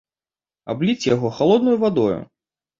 Абліць яго халоднай вадою!